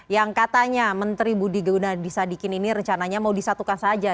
yang katanya menteri budi guna bisa dikiniin rencananya mau disatukan saja